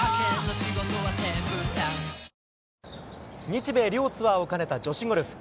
日米両ツアーを兼ねた女子ゴルフ。